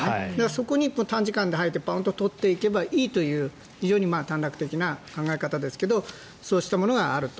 そこに短時間で入ってポンと取っていけばいいという非常に短絡的な考え方ですがそうしたものがあると。